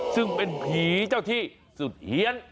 ซึ่งเป็นผีเจ้าที่สุดเฮียน